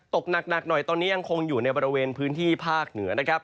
ตกหนักหน่อยตอนนี้ยังคงอยู่ในบริเวณพื้นที่ภาคเหนือนะครับ